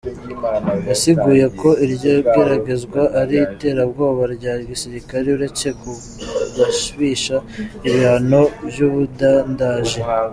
Yasiguye ko iryo geragezwa ari iterabwoba rya gisirikare uretse kugabisha ibihano vy'ubudandaji.